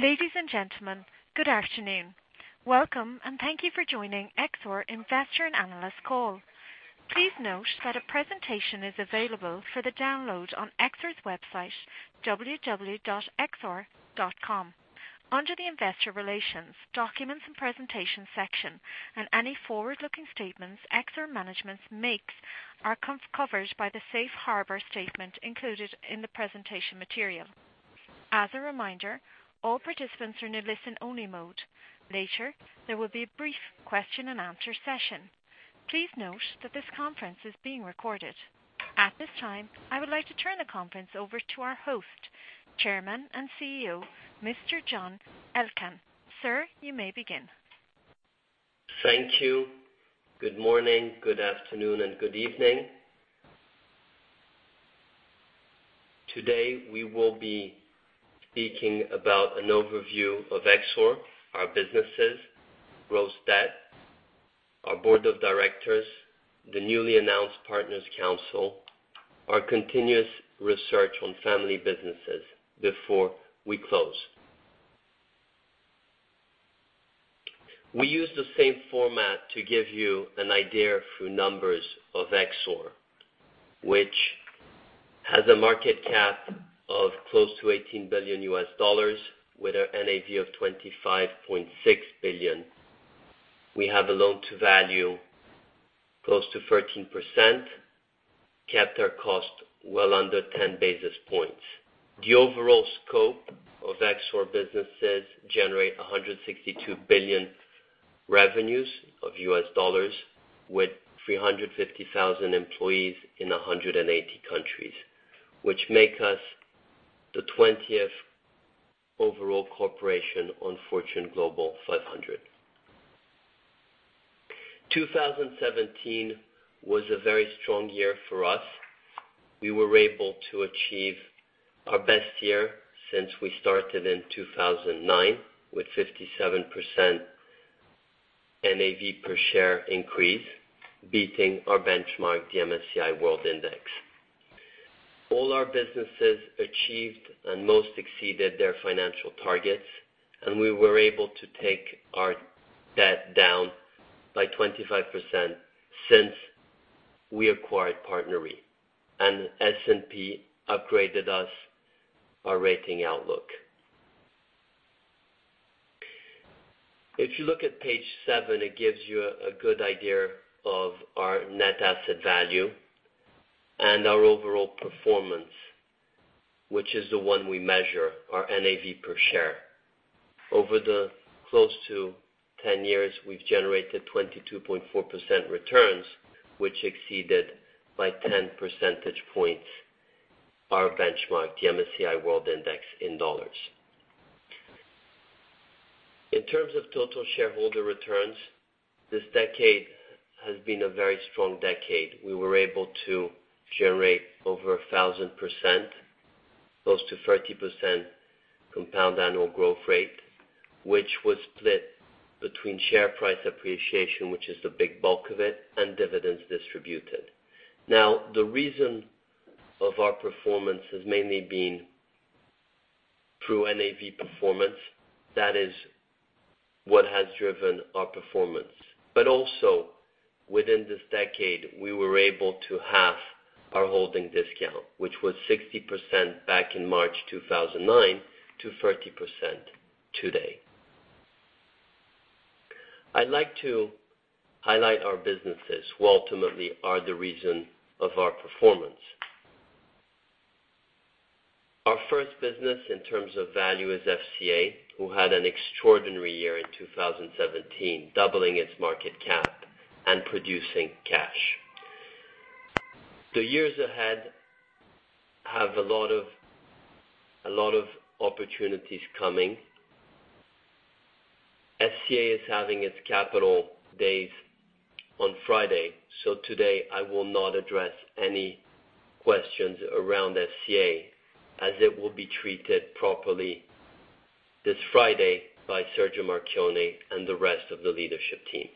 Ladies and gentlemen, good afternoon. Welcome and thank you for joining Exor Investor and Analyst call. Please note that a presentation is available for the download on exor.com, under the investor relations, documents and presentation section, and any forward-looking statements Exor management makes are covered by the safe harbor statement included in the presentation material. As a reminder, all participants are in a listen-only mode. Later, there will be a brief question and answer session. Please note that this conference is being recorded. At this time, I would like to turn the conference over to our host, Chairman and CEO, Mr. John Elkann. Sir, you may begin. Thank you. Good morning, good afternoon, and good evening. Today, we will be speaking about an overview of Exor, our businesses, growth debt, our board of directors, the newly announced Partners Council, our continuous research on family businesses before we close. We use the same format to give you an idea through numbers of Exor, which has a market cap of close to US$18 billion with a NAV of $25.6 billion. We have a loan-to-value close to 13%, kept our cost well under 10 basis points. The overall scope of Exor businesses generate $162 billion revenues of U.S. with 350,000 employees in 180 countries, which make us the 20th overall corporation on Fortune Global 500. 2017 was a very strong year for us. We were able to achieve our best year since we started in 2009, with 57% NAV per share increase, beating our benchmark, the MSCI World Index. All our businesses achieved, most exceeded their financial targets, S&P upgraded us our rating outlook. We were able to take our debt down by 25% since we acquired PartnerRe. If you look at page seven, it gives you a good idea of our net asset value and our overall performance, which is the one we measure our NAV per share. Over the close to 10 years, we have generated 22.4% returns, which exceeded by 10 percentage points our benchmark, the MSCI World Index in U.S. dollars. In terms of total shareholder returns, this decade has been a very strong decade. We were able to generate over 1,000%, close to 30% compound annual growth rate, which was split between share price appreciation, which is the big bulk of it, and dividends distributed. The reason of our performance has mainly been through NAV performance. That is what has driven our performance. Also, within this decade, we were able to halve our holding discount, which was 60% back in March 2009 to 30% today. I would like to highlight our businesses who ultimately are the reason of our performance. Our first business in terms of value is FCA, who had an extraordinary year in 2017, doubling its market cap and producing cash. The years ahead have a lot of opportunities coming. FCA is having its Capital Markets Day on Friday. Today, I will not address any questions around FCA as it will be treated properly this Friday by Sergio Marchionne and the rest of the leadership team.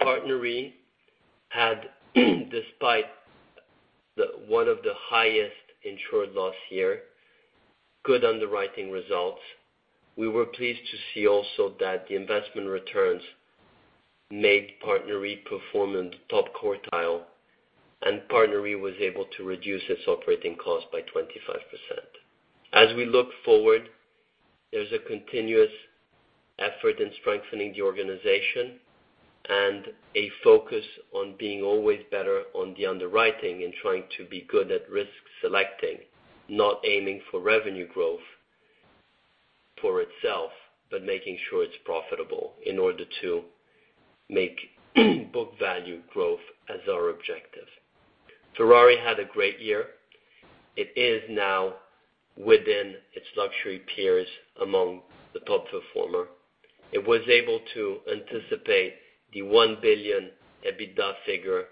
PartnerRe had, despite one of the highest insured loss year, good underwriting results. We were pleased to see also that the investment returns made PartnerRe perform in the top quartile. PartnerRe was able to reduce its operating cost by 25%. We look forward, there's a continuous effort in strengthening the organization and a focus on being always better on the underwriting and trying to be good at risk selecting, not aiming for revenue growth for itself, but making sure it's profitable in order to make book value growth as our objective. Ferrari had a great year. It is now within its luxury peers among the top performer. It was able to anticipate the 1 billion EBITDA figure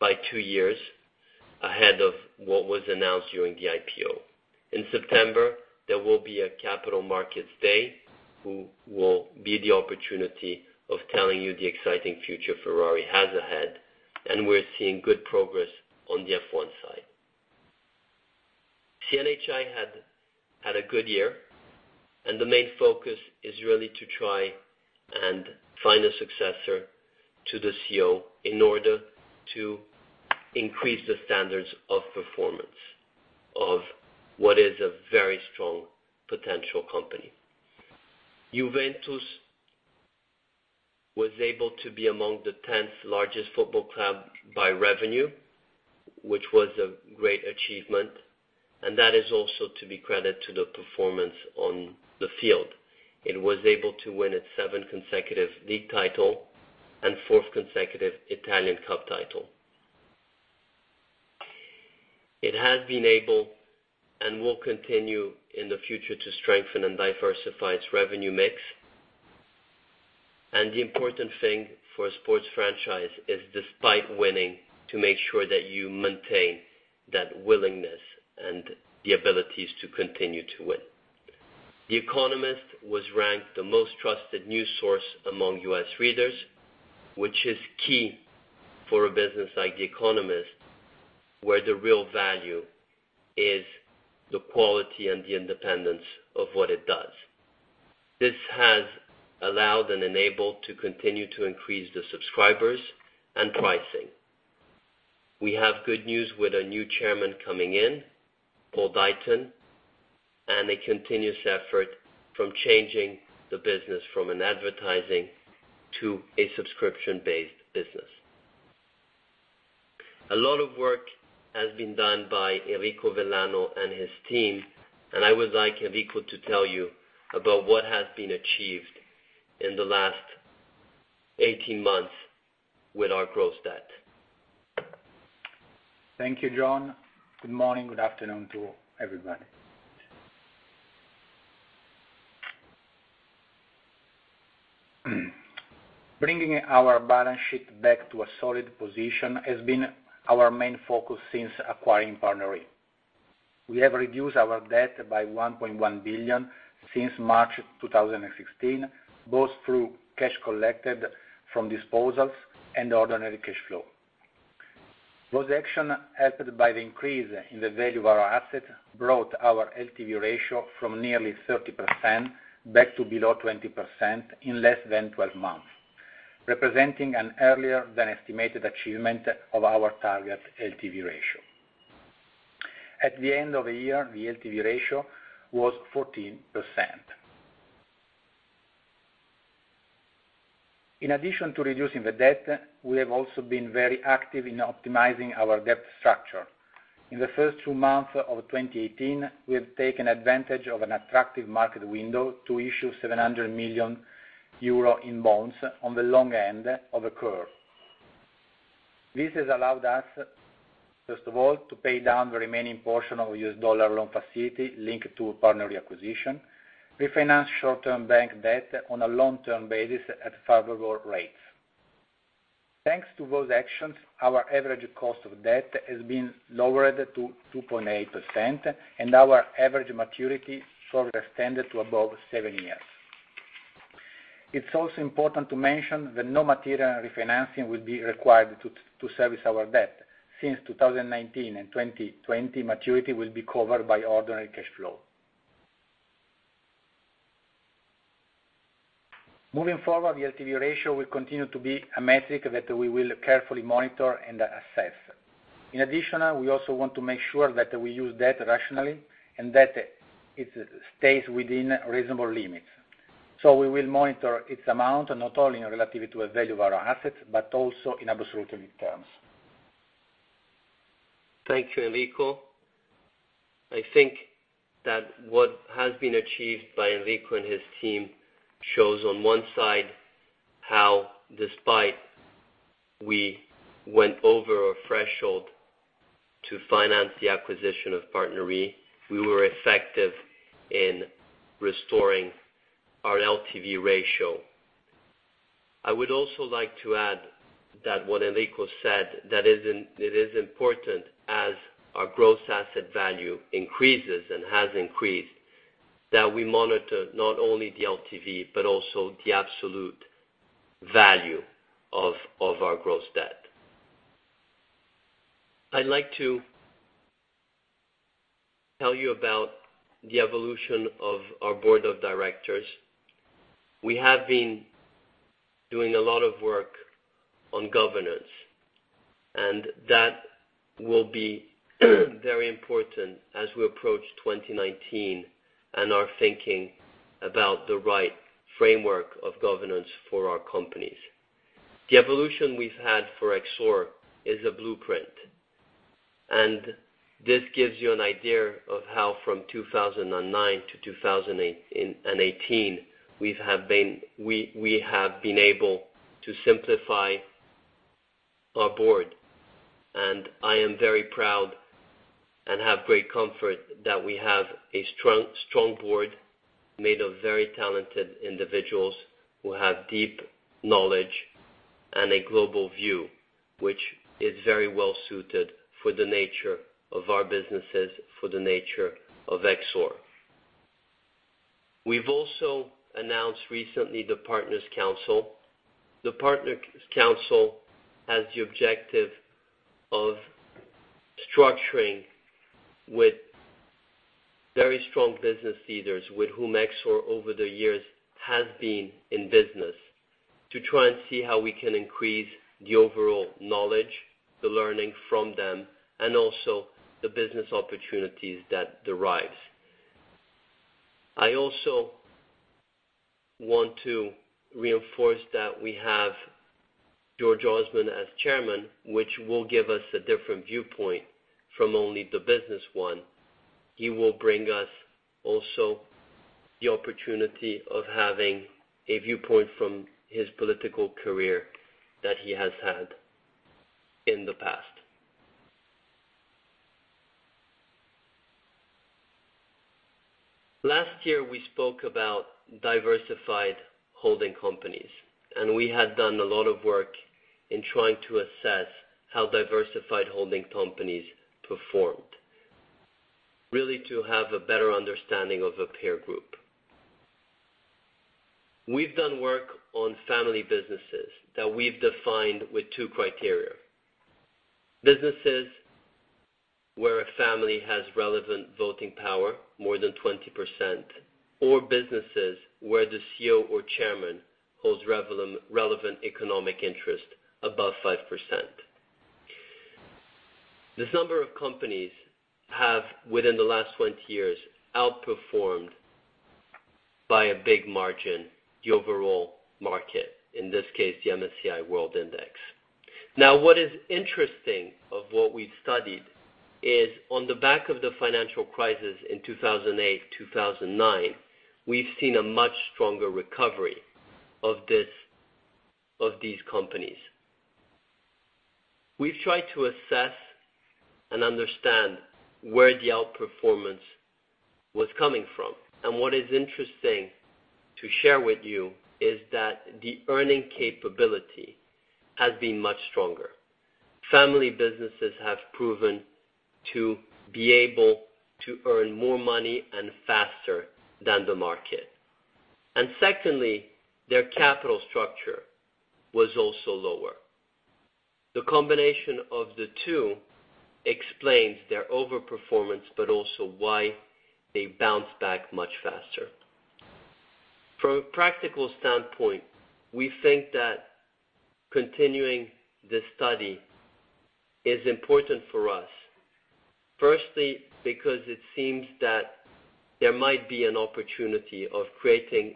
by two years ahead of what was announced during the IPO. In September, there will be a Capital Markets Day who will be the opportunity of telling you the exciting future Ferrari has ahead. We're seeing good progress on the F1 side. CNHI had a good year. The main focus is really to try and find a successor to the CEO in order to increase the standards of performance of what is a very strong potential company. Juventus was able to be among the 10th largest football club by revenue, which was a great achievement, and that is also to be credit to the performance on the field. It was able to win its seventh consecutive league title and fourth consecutive Italian Cup title. It has been able and will continue in the future to strengthen and diversify its revenue mix. The important thing for a sports franchise is, despite winning, to make sure that you maintain that willingness and the abilities to continue to win. The Economist was ranked the most trusted news source among U.S. readers, which is key for a business like The Economist, where the real value is the quality and the independence of what it does. This has allowed and enabled to continue to increase the subscribers and pricing. We have good news with a new chairman coming in, Paul Deighton. A continuous effort from changing the business from an advertising to a subscription-based business. A lot of work has been done by Enrico Vellano and his team. I would like Enrico to tell you about what has been achieved in the last 18 months with our gross debt. Thank you, John. Good morning, good afternoon to everybody. Bringing our balance sheet back to a solid position has been our main focus since acquiring PartnerRe. We have reduced our debt by 1.1 billion since March 2016, both through cash collected from disposals and ordinary cash flow. Those action, helped by the increase in the value of our assets, brought our LTV ratio from nearly 30% back to below 20% in less than 12 months, representing an earlier than estimated achievement of our target LTV ratio. At the end of the year, the LTV ratio was 14%. In addition to reducing the debt, we have also been very active in optimizing our debt structure. In the first two months of 2018, we have taken advantage of an attractive market window to issue 700 million euro in bonds on the long end of the curve. This has allowed us, first of all, to pay down the remaining portion of US dollar loan facility linked to PartnerRe acquisition, refinance short-term bank debt on a long-term basis at favorable rates. Thanks to those actions, our average cost of debt has been lowered to 2.8%, and our average maturity further extended to above seven years. It is also important to mention that no material refinancing will be required to service our debt, since 2019 and 2020 maturity will be covered by ordinary cash flow. Moving forward, the LTV ratio will continue to be a metric that we will carefully monitor and assess. In addition, we also want to make sure that we use debt rationally and that it stays within reasonable limits. We will monitor its amount, not only in relativity to the value of our assets, but also in absolute terms. Thank you, Enrico. I think that what has been achieved by Enrico and his team shows on one side how despite we went over a threshold to finance the acquisition of PartnerRe, we were effective in restoring our LTV ratio. I would also like to add that what Enrico said, that it is important as our gross asset value increases and has increased, that we monitor not only the LTV, but also the absolute value of our gross debt. I would like to tell you about the evolution of our board of directors. We have been doing a lot of work on governance, and that will be very important as we approach 2019 and are thinking about the right framework of governance for our companies. The evolution we have had for Exor is a blueprint, and this gives you an idea of how from 2009 to 2018, we have been able to simplify our board. I am very proud and have great comfort that we have a strong board made of very talented individuals who have deep knowledge and a global view, which is very well suited for the nature of our businesses, for the nature of Exor. We have also announced recently the Partners Council. The Partners Council has the objective of structuring with very strong business leaders with whom Exor over the years has been in business to try and see how we can increase the overall knowledge, the learning from them, and also the business opportunities that derive. I also want to reinforce that we have George Osborne as Chairman, which will give us a different viewpoint from only the business one. He will bring us also the opportunity of having a viewpoint from his political career that he has had in the past. Last year, we spoke about diversified holding companies, and we had done a lot of work in trying to assess how diversified holding companies performed, really to have a better understanding of a peer group. We have done work on family businesses that we have defined with two criteria. Businesses where a family has relevant voting power, more than 20%, or businesses where the CEO or chairman holds relevant economic interest above 5%. This number of companies have, within the last 20 years, outperformed by a big margin the overall market, in this case, the MSCI World Index. What is interesting of what we have studied is on the back of the financial crisis in 2008, 2009, we have seen a much stronger recovery of these companies. We've tried to assess and understand where the outperformance was coming from. What is interesting to share with you is that the earning capability has been much stronger. Family businesses have proven to be able to earn more money and faster than the market. Secondly, their capital structure was also lower. The combination of the two explains their outperformance, but also why they bounce back much faster. From a practical standpoint, we think that continuing this study is important for us. Firstly, because it seems that there might be an opportunity of creating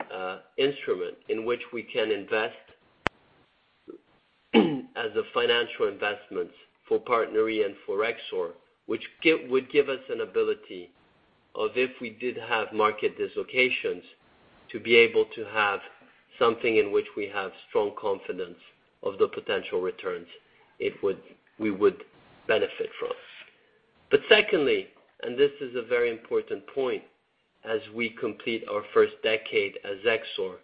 instrument in which we can invest as a financial investment for PartnerRe and for Exor, which would give us an ability of, if we did have market dislocations, to be able to have something in which we have strong confidence of the potential returns we would benefit from. Secondly, and this is a very important point, as we complete our first decade as Exor,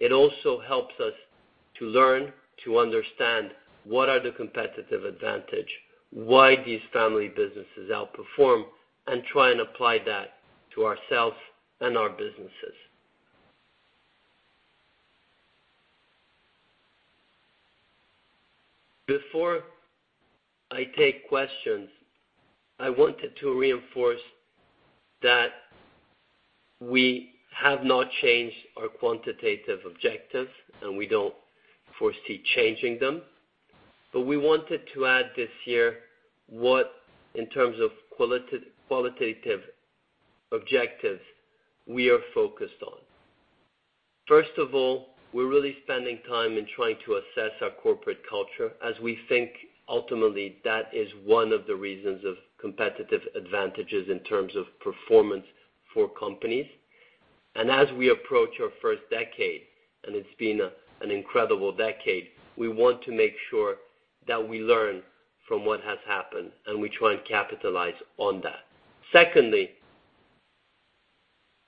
it also helps us to learn, to understand what are the competitive advantages, why these family businesses outperform, and try and apply that to ourselves and our businesses. Before I take questions, I wanted to reinforce that we have not changed our quantitative objectives, we don't foresee changing them. We wanted to add this year what, in terms of qualitative objectives we are focused on. First of all, we're really spending time in trying to assess our corporate culture, as we think ultimately that is one of the reasons of competitive advantages in terms of performance for companies. As we approach our first decade, it's been an incredible decade, we want to make sure that we learn from what has happened, and we try and capitalize on that. Secondly,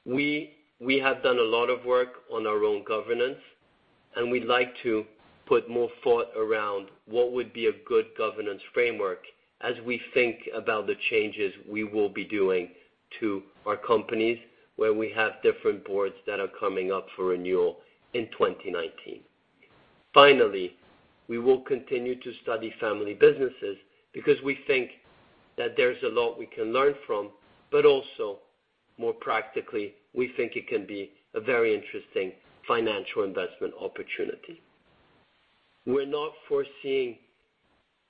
we have done a lot of work on our own governance, we'd like to put more thought around what would be a good governance framework as we think about the changes we will be doing to our companies, where we have different boards that are coming up for renewal in 2019. Finally, we will continue to study family businesses because we think that there's a lot we can learn from, but also more practically, we think it can be a very interesting financial investment opportunity. We're not foreseeing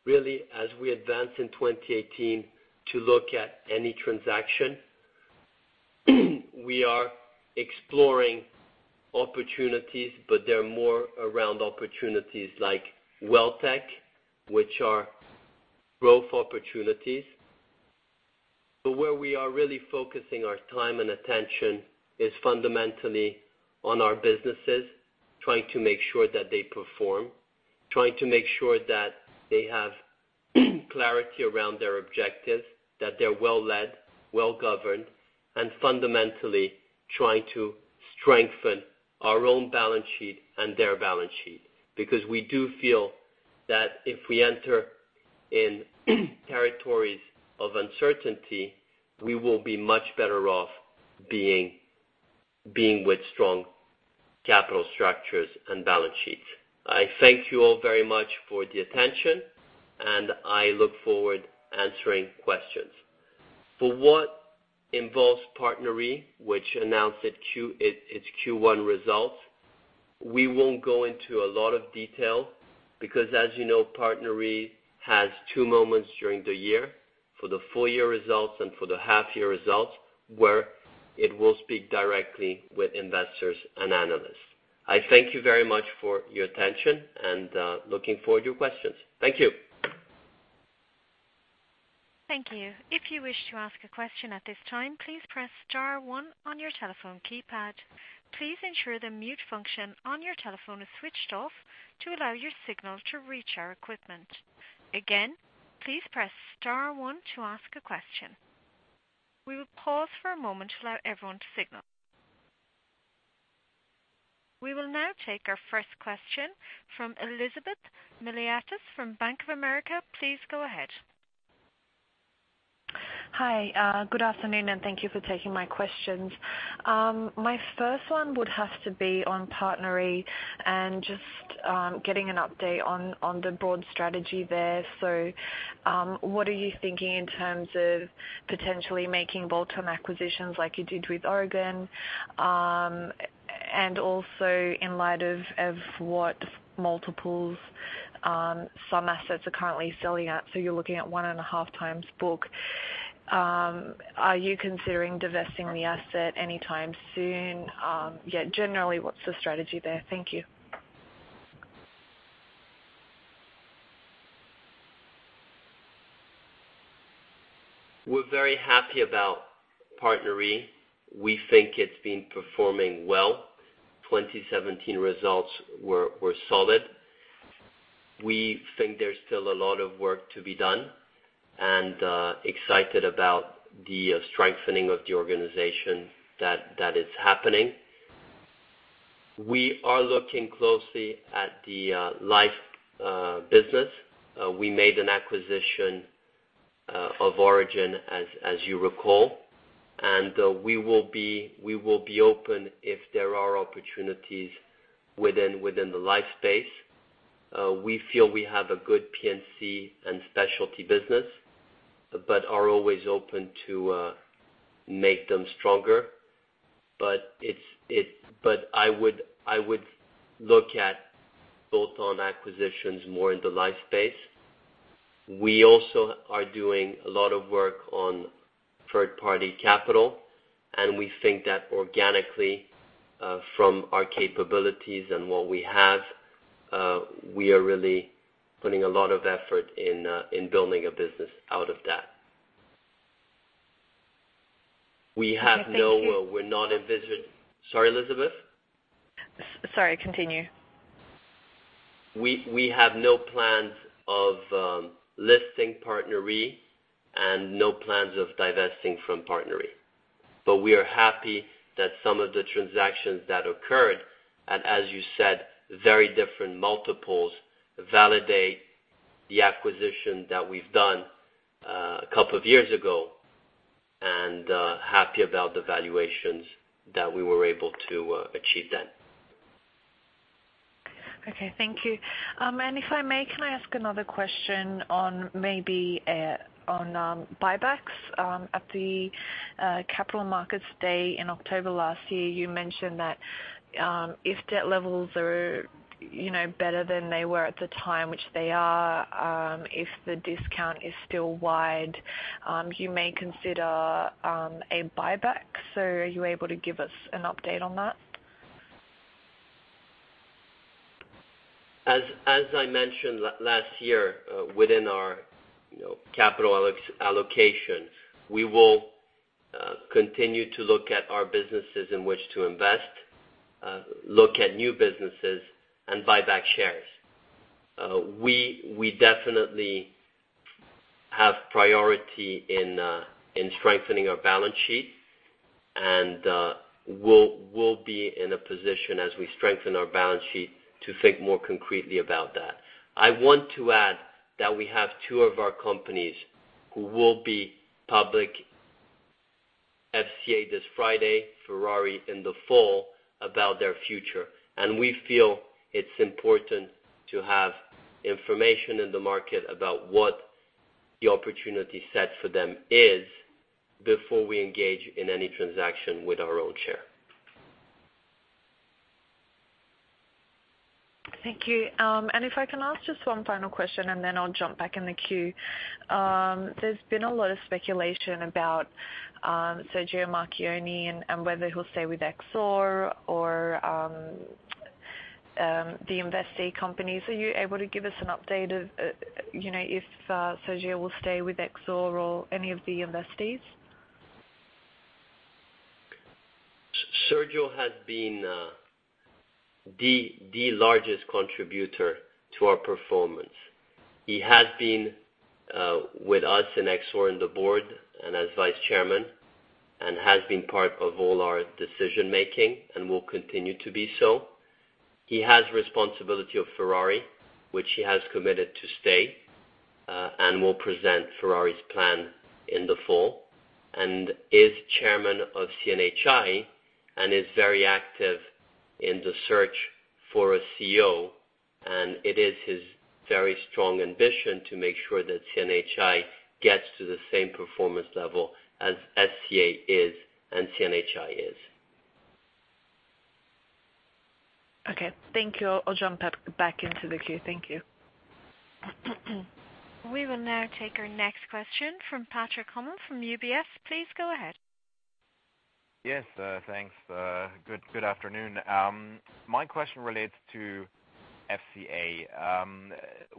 really as we advance in 2018 to look at any transaction. We are exploring opportunities, but they're more around opportunities like Welltec, which are growth opportunities. Where we are really focusing our time and attention is fundamentally on our businesses, trying to make sure that they perform, trying to make sure that they have clarity around their objectives, that they're well led, well-governed, fundamentally trying to strengthen our own balance sheet and their balance sheet. We do feel that if we enter in territories of uncertainty, we will be much better off being with strong capital structures and balance sheets. I thank you all very much for the attention, I look forward to answering questions. For what involves PartnerRe, which announced its Q1 results, we won't go into a lot of detail because, as you know, PartnerRe has two moments during the year for the full year results and for the half year results, where it will speak directly with investors and analysts. I thank you very much for your attention and looking forward to your questions. Thank you. Thank you. If you wish to ask a question at this time, please press star 1 on your telephone keypad. Please ensure the mute function on your telephone is switched off to allow your signal to reach our equipment. Again, please press star 1 to ask a question. We will pause for a moment to allow everyone to signal. We will now take our first question from Elizabeth Miliatis from Bank of America. Please go ahead. Hi. Good afternoon, and thank you for taking my questions. My first one would have to be on PartnerRe and just getting an update on the broad strategy there. What are you thinking in terms of potentially making bolt-on acquisitions like you did with Aurigen? Also in light of what multiples some assets are currently selling at. You're looking at one and a half times book. Are you considering divesting the asset anytime soon? Generally, what's the strategy there? Thank you. We're very happy about PartnerRe. We think it's been performing well. 2017 results were solid. We think there's still a lot of work to be done, and excited about the strengthening of the organization that is happening. We are looking closely at the life business. We made an acquisition of Aurigen, as you recall, and we will be open if there are opportunities within the life space. We feel we have a good P&C and specialty business, but are always open to make them stronger. I would look at bolt-on acquisitions more in the life space. We also are doing a lot of work on third-party capital, and we think that organically, from our capabilities and what we have, we are really putting a lot of effort in building a business out of that. Okay. Thank you. We're not. Sorry, Elizabeth? Sorry, continue. We have no plans of listing PartnerRe and no plans of divesting from PartnerRe. We are happy that some of the transactions that occurred, and as you said, very different multiples, validate the acquisition that we've done a couple of years ago, and happy about the valuations that we were able to achieve then. Okay, thank you. If I may, can I ask another question on maybe on buybacks? At the Capital Markets Day in October last year, you mentioned that if debt levels are better than they were at the time, which they are, if the discount is still wide, you may consider a buyback. Are you able to give us an update on that? As I mentioned last year, within our capital allocation, we will continue to look at our businesses in which to invest, look at new businesses, and buy back shares. We definitely have priority in strengthening our balance sheet, and we'll be in a position as we strengthen our balance sheet to think more concretely about that. I want to add that we have two of our companies who will be public, FCA this Friday, Ferrari in the fall, about their future. We feel it's important to have information in the market about what the opportunity set for them is before we engage in any transaction with our own share. Thank you. If I can ask just one final question, and then I'll jump back in the queue. There's been a lot of speculation about Sergio Marchionne and whether he'll stay with Exor or the Investee companies. Are you able to give us an update of if Sergio will stay with Exor or any of the Investees? Sergio has been the largest contributor to our performance. He has been with us and Exor in the board and as vice chairman, has been part of all our decision-making and will continue to be so. He has responsibility of Ferrari, which he has committed to stay, will present Ferrari's plan in the fall, and is chairman of CNHI and is very active in the search for a CEO. It is his very strong ambition to make sure that CNHI gets to the same performance level as FCA is and CNHI is. Okay. Thank you. I'll jump back into the queue. Thank you. We will now take our next question from Patrick Hummel from UBS. Please go ahead. Yes. Thanks. Good afternoon. My question relates to FCA.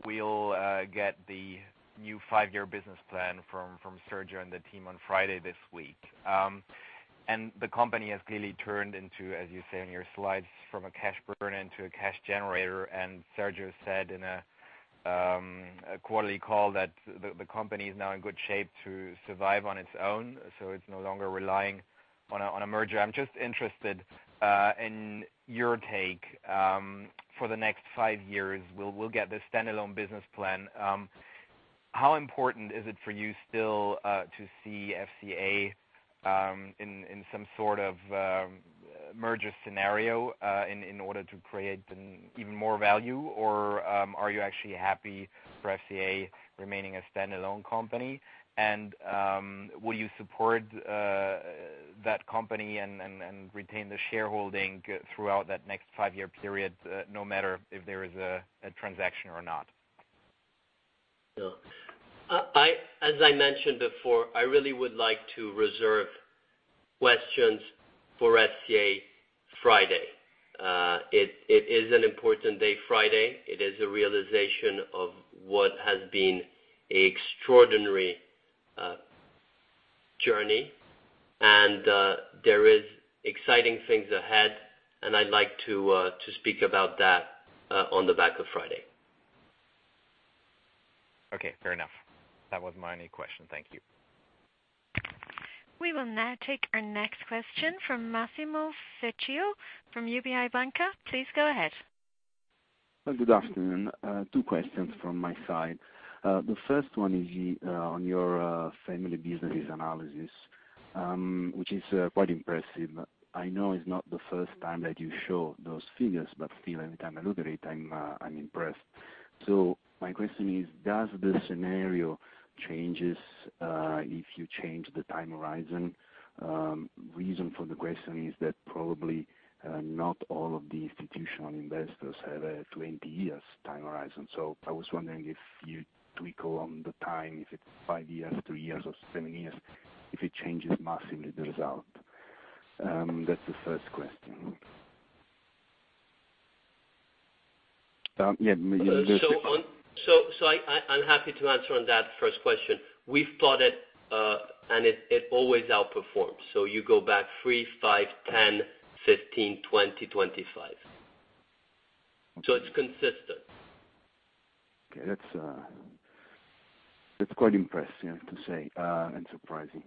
We'll get the new five-year business plan from Sergio and the team on Friday this week. The company has clearly turned into, as you say in your slides, from a cash burn into a cash generator. Sergio said in a quarterly call that the company is now in good shape to survive on its own, so it's no longer relying on a merger. I'm just interested in your take for the next five years. We'll get the standalone business plan. How important is it for you still to see FCA in some sort of merger scenario in order to create even more value, or are you actually happy for FCA remaining a standalone company? Will you support that company and retain the shareholding throughout that next five-year period no matter if there is a transaction or not? As I mentioned before, I really would like to reserve questions for FCA Friday. It is an important day, Friday. It is a realization of what has been an extraordinary journey. There is exciting things ahead, and I'd like to speak about that on the back of Friday. Okay, fair enough. That was my only question. Thank you. We will now take our next question from Massimo Vecchio from UBI Banca. Please go ahead. Good afternoon. Two questions from my side. The first one is on your family businesses analysis, which is quite impressive. I know it's not the first time that you show those figures, but still, every time I look at it, I'm impressed. My question is, does the scenario changes if you change the time horizon? Reason for the question is that probably not all of the institutional investors have a 20 years time horizon. I was wondering if you tweak on the time, if it's five years, three years, or seven years, if it changes massively the result. That's the first question. Yeah. I'm happy to answer on that first question. We've plotted and it always outperforms. You go back three, five, 10, 15, 20, 25. It's consistent. Okay. That's quite impressive to say, and surprising.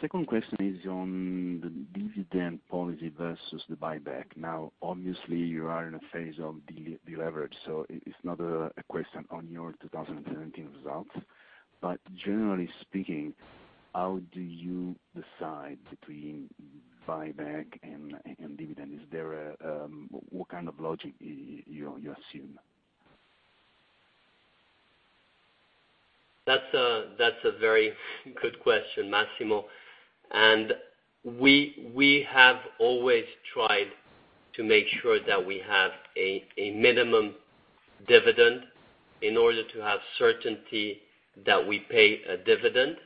Second question is on the dividend policy versus the buyback. Obviously you are in a phase of deleverage, so it's not a question on your 2017 results. Generally speaking, how do you decide between buyback and dividend? What kind of logic you assume? That's a very good question, Massimo. We have always tried to make sure that we have a minimum dividend in order to have certainty that we pay a dividend.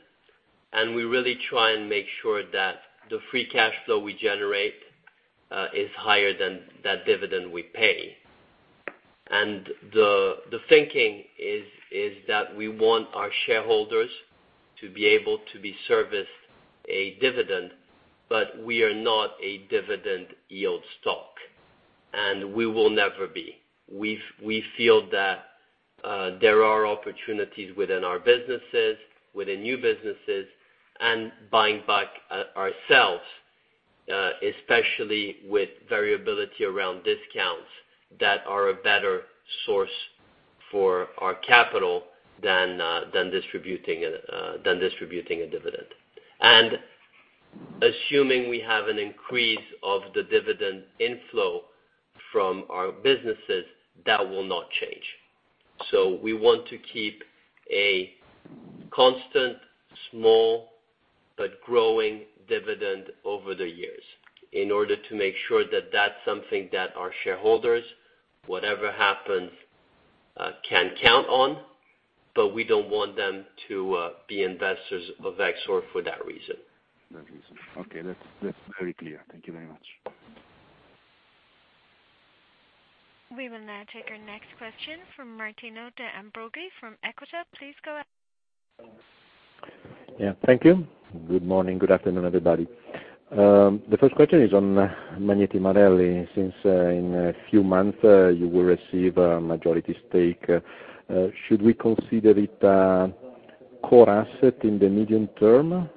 We really try and make sure that the free cash flow we generate is higher than that dividend we pay. The thinking is that we want our shareholders to be able to be serviced a dividend, but we are not a dividend yield stock, and we will never be. We feel that there are opportunities within our businesses, within new businesses, and buying back ourselves, especially with variability around discounts that are a better source for our capital than distributing a dividend. Assuming we have an increase of the dividend inflow from our businesses, that will not change. We want to keep a constant, small, but growing dividend over the years in order to make sure that that's something that our shareholders, whatever happens, can count on. We don't want them to be investors of Exor for that reason. That reason. Okay. That's very clear. Thank you very much. We will now take our next question from Martino De Ambrogi from Equita. Please go ahead. Yeah. Thank you. Good morning. Good afternoon, everybody. The first question is on Magneti Marelli. Since in a few months you will receive a majority stake, should we consider it a core asset in the medium term?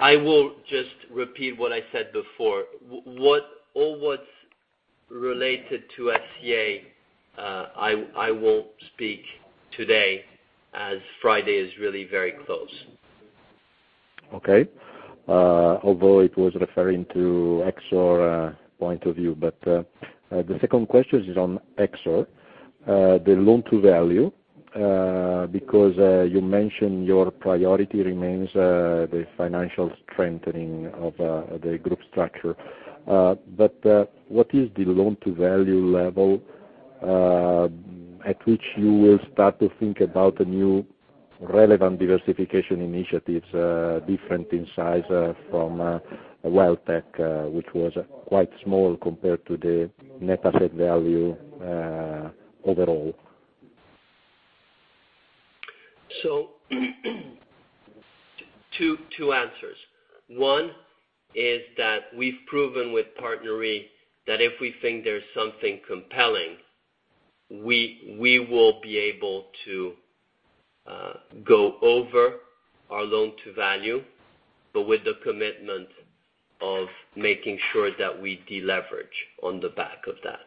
I will just repeat what I said before. All what's related to FCA, I won't speak today as Friday is really very close. Okay. Although it was referring to Exor point of view. The second question is on Exor, the loan to value, because you mentioned your priority remains the financial strengthening of the group structure. What is the loan to value level at which you will start to think about the new relevant diversification initiatives, different in size from Welltec, which was quite small compared to the net asset value overall? Two answers. One is that we've proven with PartnerRe, that if we think there's something compelling, we will be able to go over our loan to value, but with the commitment of making sure that we deleveraged on the back of that.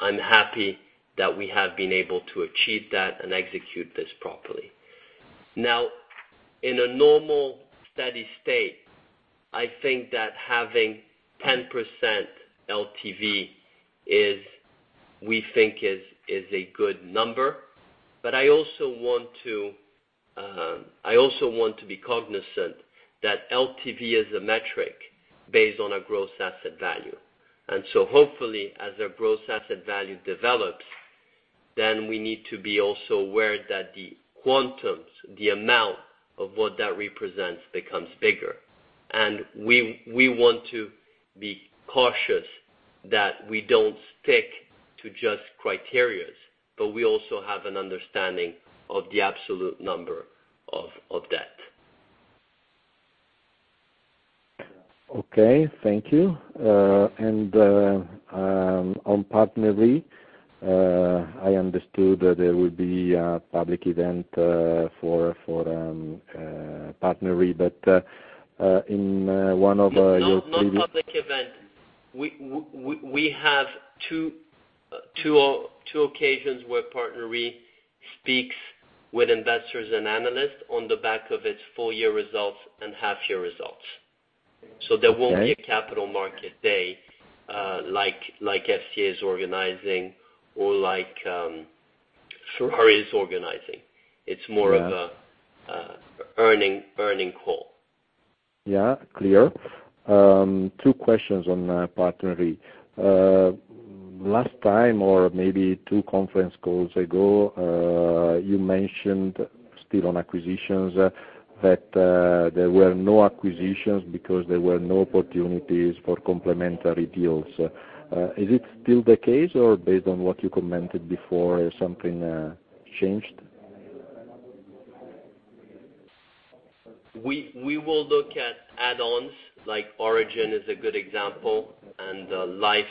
I'm happy that we have been able to achieve that and execute this properly. In a normal, steady state, I think that having 10% LTV we think is a good number. I also want to be cognizant that LTV is a metric based on a gross asset value. Hopefully as our gross asset value develops, we need to be also aware that the quantums, the amount of what that represents, becomes bigger. We want to be cautious that we don't stick to just criteria, but we also have an understanding of the absolute number of that. Okay, thank you. On PartnerRe, I understood that there would be a public event for PartnerRe, in one of your previous- It's not public event. We have two occasions where PartnerRe speaks with investors and analysts on the back of its full year results and half year results. Okay. There won't be a Capital Markets Day like FCA is organizing or like Ferrari is organizing. Yeah. It's more of a earnings call. Yeah. Clear. Two questions on PartnerRe. Last time or maybe two conference calls ago, you mentioned, still on acquisitions, that there were no acquisitions because there were no opportunities for complementary deals. Is it still the case or based on what you commented before, has something changed? We will look at add-ons, like Aurigen is a good example, and the life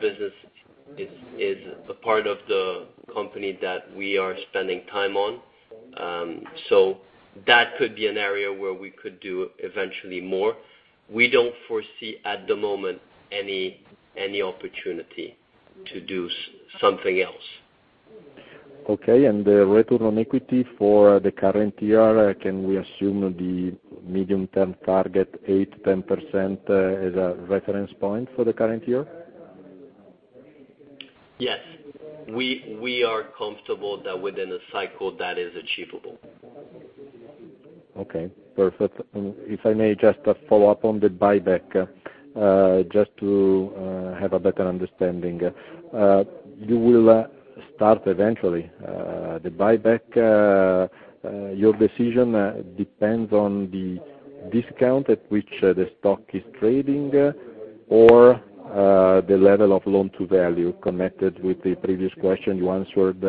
business is a part of the company that we are spending time on. That could be an area where we could do eventually more. We don't foresee at the moment any opportunity to do something else. Okay, the return on equity for the current year, can we assume the medium term target 8%-10% as a reference point for the current year? Yes. We are comfortable that within a cycle that is achievable. Okay, perfect. If I may just follow up on the buyback, just to have a better understanding. You will start eventually, the buyback. Your decision depends on the discount at which the stock is trading or the level of loan to value connected with the previous question you answered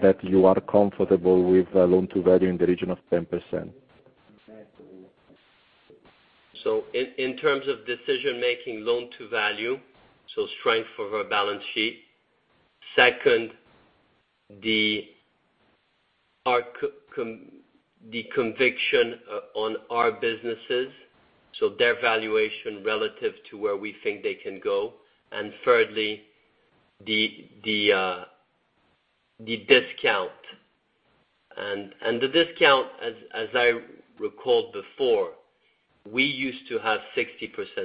that you are comfortable with loan to value in the region of 10%. In terms of decision-making, loan to value, strength of our balance sheet. Second, the conviction on our businesses, their valuation relative to where we think they can go. Thirdly, the discount. The discount, as I recalled before, we used to have 60%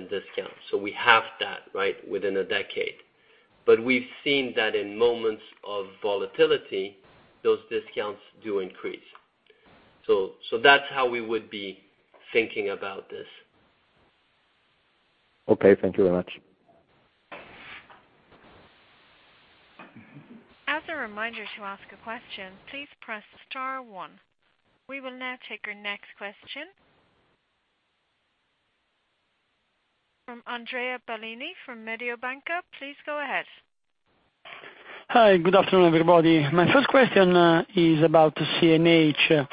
discount. We have that within a decade. We've seen that in moments of volatility, those discounts do increase. That's how we would be thinking about this. Okay. Thank you very much. As a reminder, to ask a question, please press star one. We will now take our next question from Andrea Balloni from Mediobanca. Please go ahead Hi. Good afternoon, everybody. My first question is about CNH.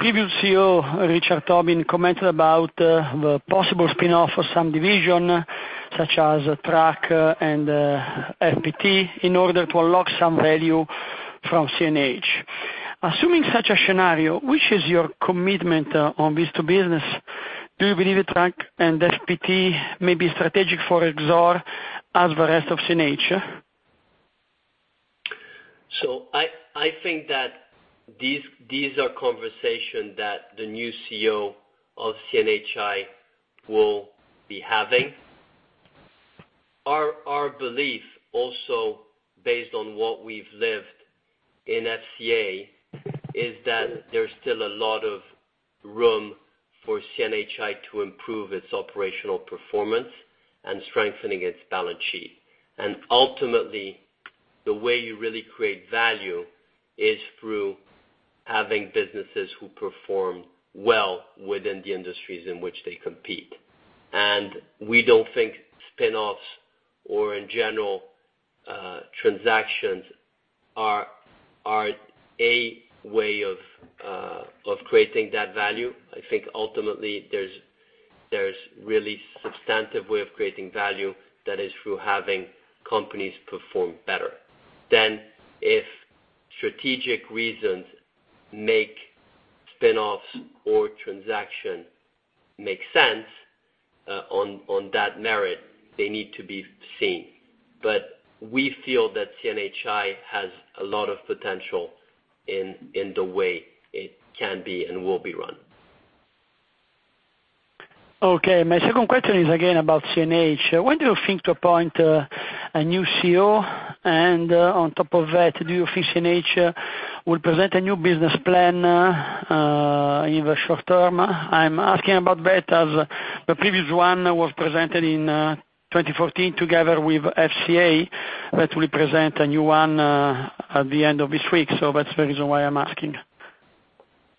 Previous CEO, Richard Tobin, commented about the possible spinoff of some division, such as Truck and FPT, in order to unlock some value from CNH. Assuming such a scenario, which is your commitment on this business? Do you believe that Truck and FPT may be strategic for Exor as the rest of CNH? I think that these are conversation that the new CEO of CNHI will be having. Our belief, also based on what we've lived in FCA, is that there's still a lot of room for CNHI to improve its operational performance and strengthening its balance sheet. Ultimately, the way you really create value is through having businesses who perform well within the industries in which they compete. We don't think spinoffs or, in general, transactions are a way of creating that value. I think ultimately, there's really substantive way of creating value that is through having companies perform better. If strategic reasons make spinoffs or transaction make sense on that merit, they need to be seen. We feel that CNHI has a lot of potential in the way it can be and will be run. Okay. My second question is again about CNH. When do you think to appoint a new CEO, and on top of that, do you think CNH will present a new business plan in the short term? I'm asking about that as the previous one was presented in 2014 together with FCA, that will present a new one at the end of this week. That's the reason why I'm asking.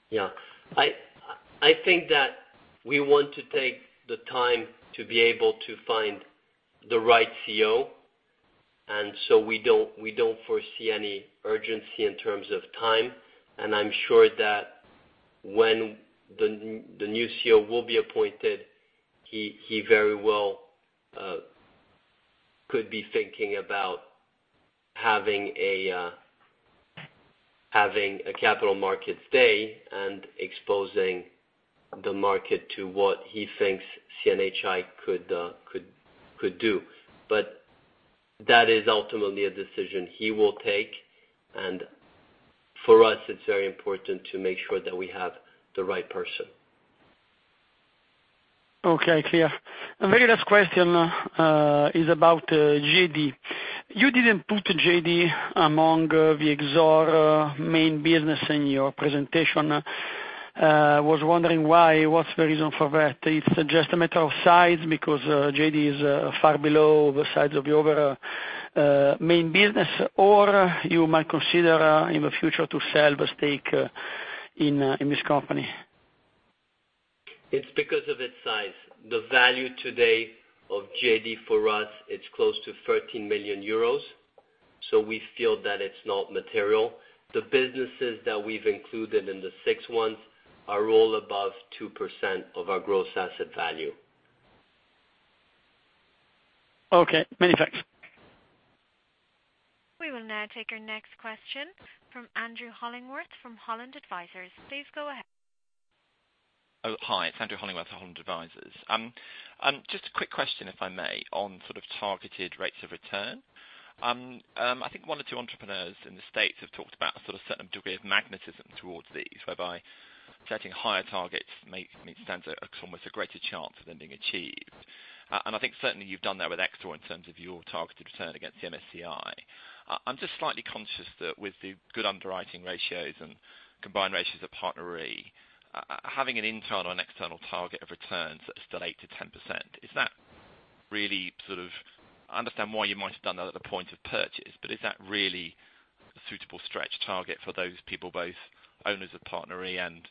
Yeah. I think that we want to take the time to be able to find the right CEO. We don't foresee any urgency in terms of time. I am sure that when the new CEO will be appointed, he very well could be thinking about having a Capital Markets Day and exposing the market to what he thinks CNHI could do. That is ultimately a decision he will take, and for us, it is very important to make sure that we have the right person. Okay, clear. My very last question is about GEDI. You did not put GEDI among the Exor main business in your presentation. I was wondering why, what is the reason for that? It is just a matter of size because GEDI is far below the size of your other main business, or you might consider in the future to sell the stake in this company? It is because of its size. The value today of GEDI for us, it is close to 13 million euros, so we feel that it is not material. The businesses that we have included in the six ones are all above 2% of our gross asset value. Okay. Many thanks. We will now take our next question from Andrew Hollingworth from Holland Advisors. Please go ahead. Oh, hi. It's Andrew Hollingworth from Holland Advisors. Just a quick question, if I may, on targeted rates of return. I think one or two entrepreneurs in the U.S. have talked about a certain degree of magnetism towards these, whereby setting higher targets makes stands at almost a greater chance of them being achieved. I think certainly you've done that with Exor in terms of your targeted return against the MSCI. I'm just slightly conscious that with the good underwriting ratios and combined ratios at PartnerRe, having an internal and external target of returns that's still 8%-10%, I understand why you might have done that at the point of purchase, but is that really a suitable stretch target for those people, both owners of PartnerRe and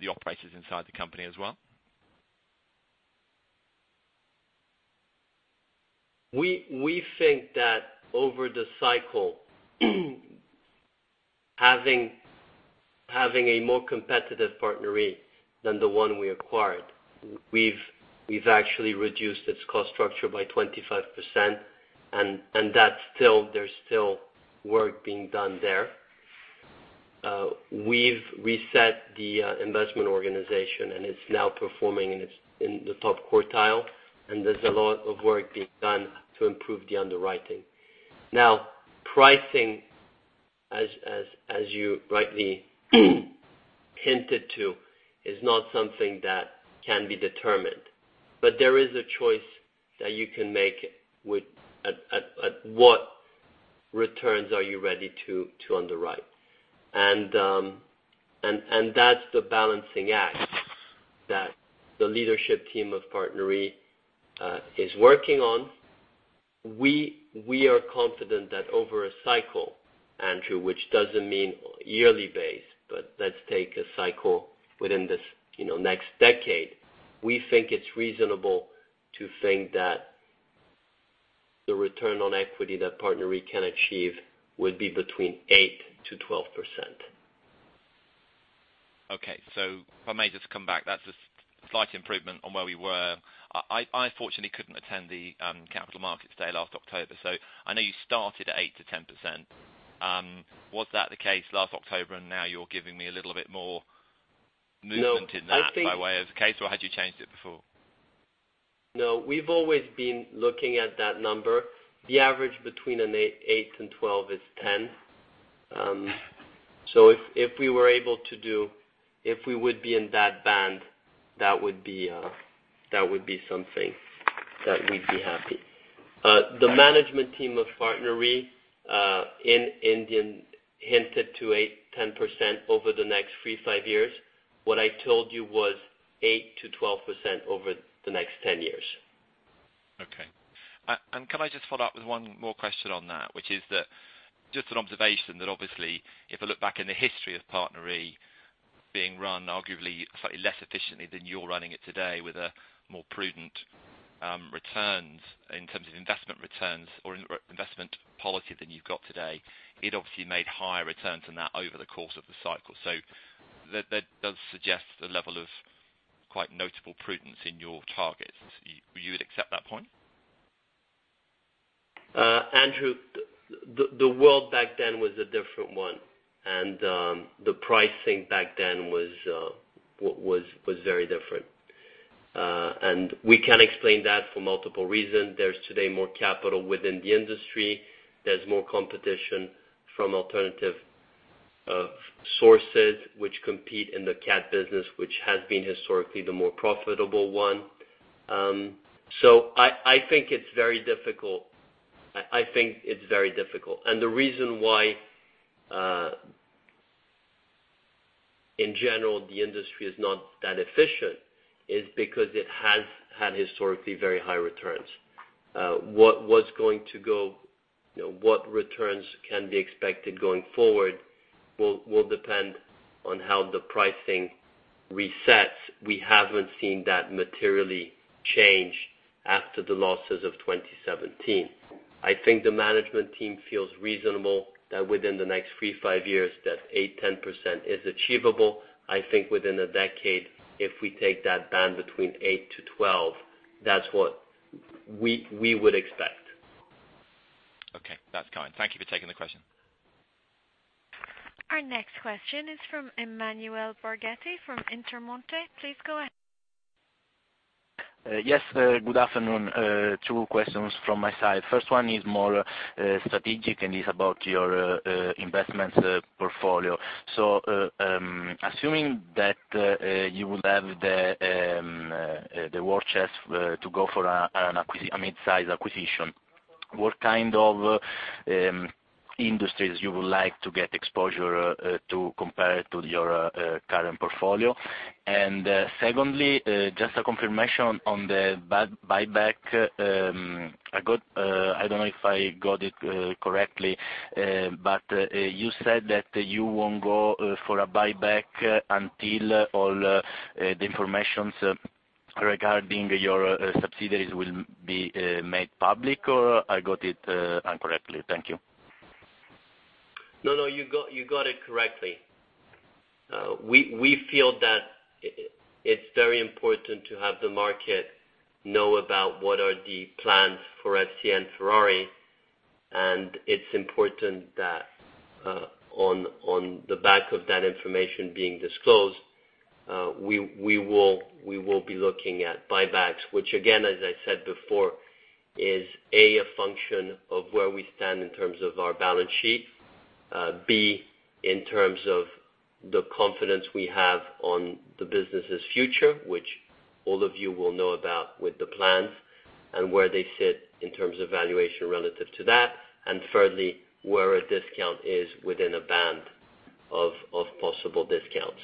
the operators inside the company as well? We think that over the cycle, having a more competitive PartnerRe than the one we acquired, we've actually reduced its cost structure by 25%, and there's still work being done there. We've reset the investment organization, and it's now performing in the top quartile, and there's a lot of work being done to improve the underwriting. Pricing, as you rightly hinted to, is not something that can be determined. There is a choice that you can make at what returns are you ready to underwrite. That's the balancing act that the leadership team of PartnerRe is working on. We are confident that over a cycle Andrew, which doesn't mean yearly basis, but let's take a cycle within this next decade. We think it's reasonable to think that the return on equity that PartnerRe can achieve would be between 8%-12%. Okay. If I may just come back, that's a slight improvement on where we were. I, fortunately, couldn't attend the Capital Markets Day last October, so I know you started at 8%-10%. Was that the case last October and now you're giving me a little bit more movement? No in that by way of the case, or had you changed it before? No, we've always been looking at that number. The average between an 8 and 12 is 10. If we were able to be in that band, that would be something that we'd be happy. The management team of PartnerRe, indeed, hinted to 8%, 10% over the next 3, 5 years. What I told you was 8%-12% over the next 10 years. Okay. Can I just follow up with one more question on that? Which is that, just an observation that obviously, if I look back in the history of PartnerRe being run, arguably, slightly less efficiently than you're running it today with a more prudent returns in terms of investment returns or investment policy than you've got today. It obviously made higher returns than that over the course of the cycle. That does suggest a level of quite notable prudence in your targets. You would accept that point? Andrew, the world back then was a different one, the pricing back then was very different. We can explain that for multiple reasons. There's today more capital within the industry, there's more competition from alternative sources which compete in the cat business, which has been historically the more profitable one. I think it's very difficult. The reason why, in general, the industry is not that efficient is because it has had historically very high returns. What returns can be expected going forward will depend on how the pricing resets. We haven't seen that materially change after the losses of 2017. I think the management team feels reasonable that within the next 3, 5 years, that 8%, 10% is achievable. I think within a decade, if we take that band between 8-12, that's what we would expect. Okay. That's kind. Thank you for taking the question. Our next question is from Emanuele Borghetti from Intermonte. Please go ahead. Yes. Good afternoon. Two questions from my side. First one is more strategic, and it's about your investments portfolio. Assuming that you would have the war chest to go for a mid-size acquisition, what kind of industries you would like to get exposure to compare to your current portfolio? Secondly, just a confirmation on the buyback. I don't know if I got it correctly, but you said that you won't go for a buyback until all the information regarding your subsidiaries will be made public, or I got it incorrectly? Thank you. No, you got it correctly. We feel that it's very important to have the market know about what are the plans for FCA and Ferrari, and it's important that on the back of that information being disclosed, we will be looking at buybacks, which again, as I said before, is A, a function of where we stand in terms of our balance sheet. B, in terms of the confidence we have on the business's future, which all of you will know about with the plans and where they sit in terms of valuation relative to that. Thirdly, where a discount is within a band of possible discounts.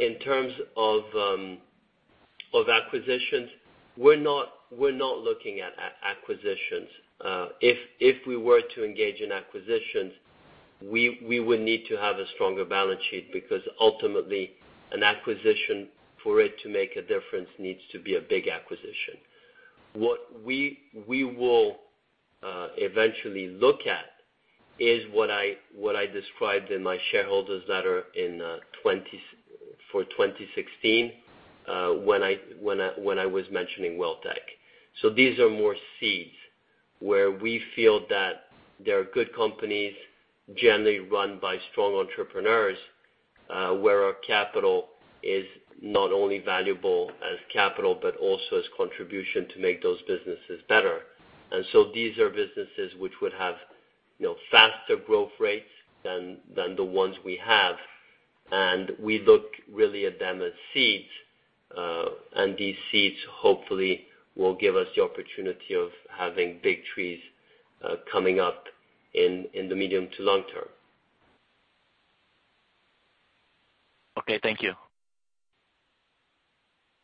In terms of acquisitions, we're not looking at acquisitions. If we were to engage in acquisitions, we would need to have a stronger balance sheet, because ultimately, an acquisition, for it to make a difference, needs to be a big acquisition. What we will eventually look at is what I described in my shareholders letter for 2016, when I was mentioning Welltec. These are more seeds where we feel that they are good companies, generally run by strong entrepreneurs, where our capital is not only valuable as capital, but also as contribution to make those businesses better. These are businesses which would have faster growth rates than the ones we have. We look really at them as seeds. These seeds, hopefully, will give us the opportunity of having big trees coming up in the medium to long term. Okay, thank you.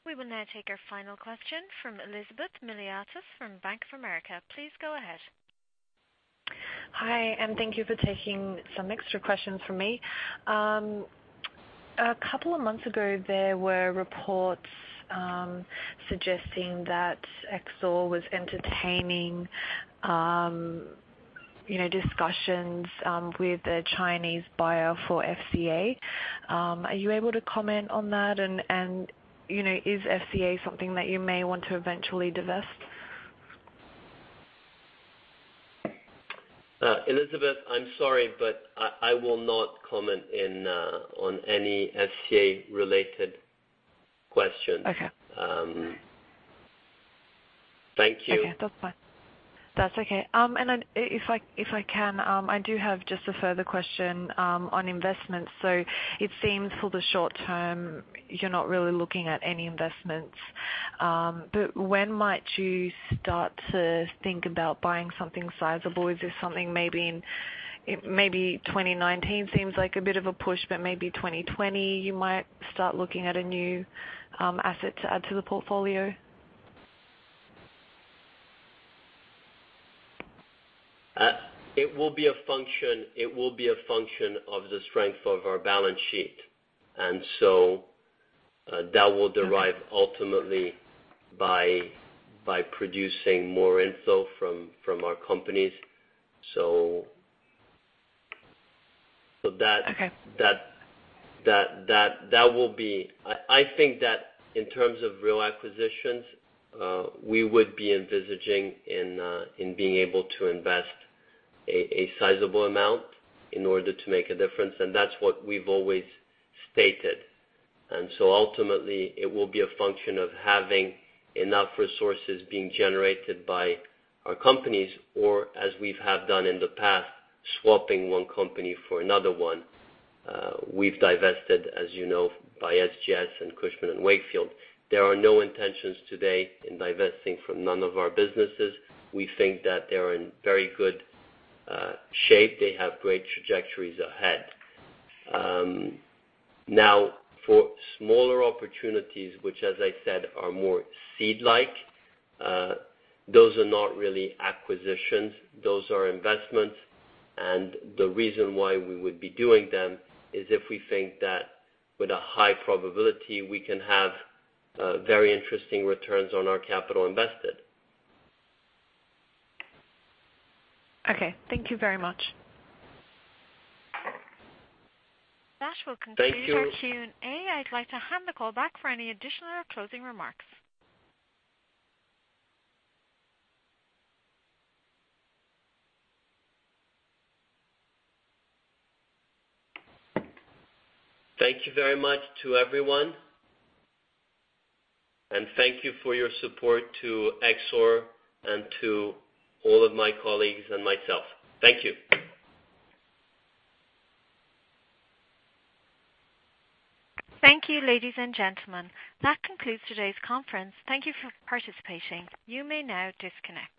We will now take our final question from Elizabeth Miliatis from Bank of America. Please go ahead. Hi, thank you for taking some extra questions from me. A couple of months ago, there were reports suggesting that Exor was entertaining discussions with a Chinese buyer for FCA. Are you able to comment on that? Is FCA something that you may want to eventually divest? Elizabeth, I am sorry, I will not comment on any FCA-related question. Okay. Thank you. Okay. That is fine. That is okay. If I can, I do have just a further question on investments. It seems for the short term, you are not really looking at any investments. When might you start to think about buying something sizable? Is there something maybe in 2019? Seems like a bit of a push, maybe 2020 you might start looking at a new asset to add to the portfolio? It will be a function of the strength of our balance sheet, that will derive ultimately by producing more info from our companies. Okay. I think that in terms of real acquisitions, we would be envisaging in being able to invest a sizable amount in order to make a difference, and that's what we've always stated. Ultimately, it will be a function of having enough resources being generated by our companies or, as we have done in the past, swapping one company for another one. We've divested, as you know, by SGS and Cushman & Wakefield. There are no intentions today in divesting from none of our businesses. We think that they're in very good shape. They have great trajectories ahead. Now, for smaller opportunities, which as I said, are more seed-like, those are not really acquisitions, those are investments. The reason why we would be doing them is if we think that with a high probability, we can have very interesting returns on our capital invested. Okay. Thank you very much. That will conclude our Q&A. Thank you. I'd like to hand the call back for any additional closing remarks. Thank you very much to everyone, and thank you for your support to Exor and to all of my colleagues and myself. Thank you. Thank you, ladies and gentlemen. That concludes today's conference. Thank you for participating. You may now disconnect.